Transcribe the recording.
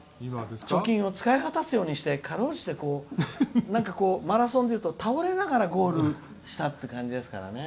貯金を使い果たすようにしてかろうじてマラソンでいうと倒れながらゴールしたっていう感じですからね。